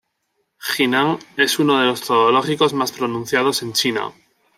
Jinan es uno de los zoológicos más pronunciados en China.